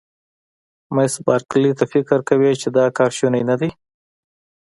مس بارکلي: ته فکر کوې چې دا کار شونی نه دی؟